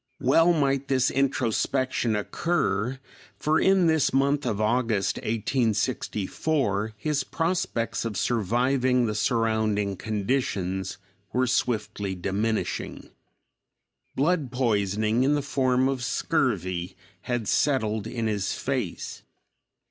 Well might this introspection occur; for, in this month of August, 1864, his prospects of surviving the surrounding conditions were swiftly diminishing. Blood poisoning, in the form of scurvy, had settled in his face.